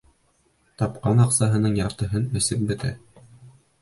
Тапҡан аҡсаһының яртыһын эсеп бөтә.